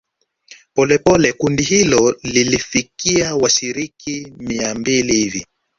Polepole kundi hilo lilifikia washiriki mia mbili hivi